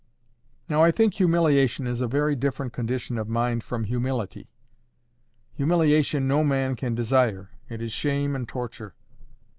Now I think humiliation is a very different condition of mind from humility. Humiliation no man can desire: it is shame and torture.